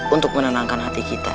untuk menenangkan hati kita